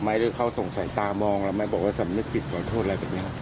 ไม่ได้เข้าสงสัยตามองไม่บอกว่าสำนึกผิดขอโทษอะไรแบบนี้